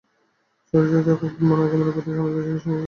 সুচরিতার মনে গোরার আগমন-প্রত্যাশার আনন্দের সঙ্গে যেন একটা ভয় জড়িত ছিল।